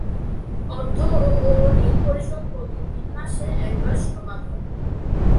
অর্থ ও ঋণ পরিষদ প্রতি তিন মাসে একবার সভা করে।